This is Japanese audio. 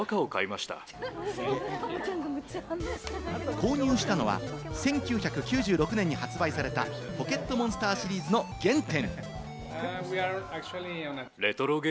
購入したのは１９９６年に発売されたポケットモンスターシリーズの原点。